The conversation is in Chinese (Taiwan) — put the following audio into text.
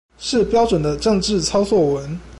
是標準的政治操作文